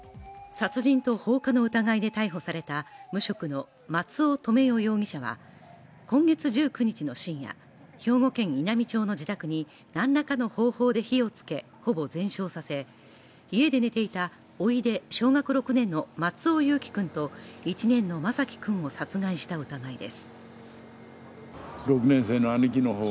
殺人と放火の疑いで逮捕された無職の松尾留与容疑者は今月１９日の深夜、兵庫県稲美町の自宅に何らかの方法で火をつけほぼ全焼させ、家で寝ていたおいで小学６年の松尾侑城君と１年生の眞輝君を殺害した疑いです。